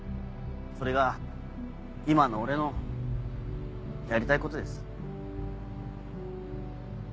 それが今の俺のやりたいことです。